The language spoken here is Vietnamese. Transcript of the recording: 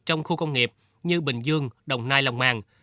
trong khu công nghiệp như bình dương đồng nai lòng an